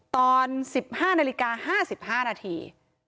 ตอน๑๕นาฬิกา๕๕นาที